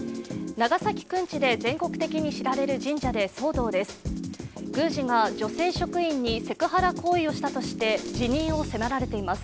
長崎くんちで全国的に知られる神社で騒動です。